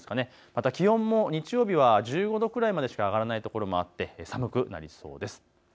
また気温も日曜日は１５度くらいまでしか上がらないところもあって寒くなりそうです。